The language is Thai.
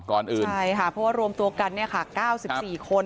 ก่อนอื่นใช่ค่ะเพราะว่ารวมตัวกันเนี่ยค่ะ๙๔คน